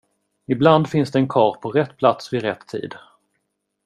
Ibland finns det en karl på rätt plats vid rätt tid.